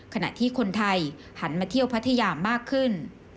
ขณะที่คนไทยหันมาเที่ยวพัทยามากขึ้น